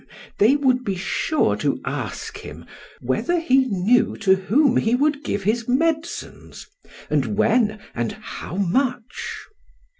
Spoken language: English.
PHAEDRUS: They would be sure to ask him whether he knew 'to whom' he would give his medicines, and 'when,' and 'how much.'